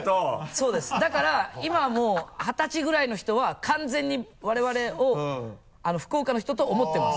そうですだから今もう二十歳ぐらいの人は完全に我々を福岡の人と思ってます。